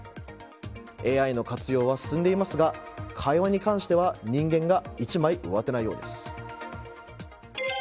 ＡＩの活用は進んでいますが会話に関しては人間が一枚上手なようです。